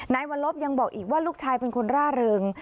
นายวัลลบยังบอกอีกว่าลูกชายเป็นคนร่าเริง